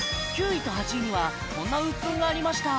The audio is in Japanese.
９位と８位にはこんなウップンがありました